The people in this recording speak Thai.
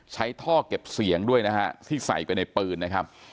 ใช้ท่อเก็บเสียงด้วยนะฮะที่ใส่ไปในปืนนะครับ